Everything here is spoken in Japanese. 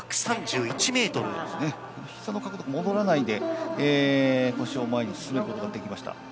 膝の角度が戻らないで腰を前に進むことができました。